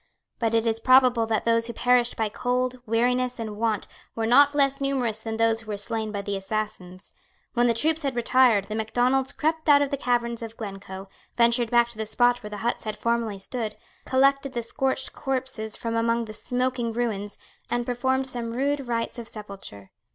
But it is probable that those who perished by cold, weariness and want were not less numerous than those who were slain by the assassins. When the troops had retired, the Macdonalds crept out of the caverns of Glencoe, ventured back to the spot where the huts had formerly stood, collected the scorched corpses from among the smoking ruins, and performed some rude rites of sepulture.